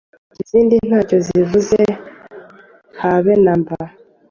izindi ntacyo zivuze habe namba